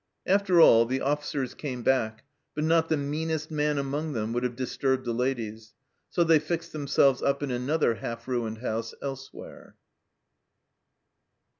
After all, the officers came back, but not the meanest man among them would have disturbed the ladies ; so they fixed themselves up in another half ruined house elsewhere.